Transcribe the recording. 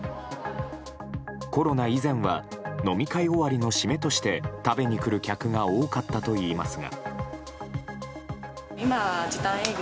コロナ以前は飲み会終わりの締めとして食べに来る客が多かったといいますが。